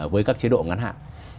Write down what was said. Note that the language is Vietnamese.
với các chế độ ngắn hạn